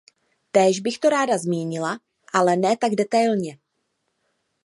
Též bych to ráda zmínila, ale ne tak detailně.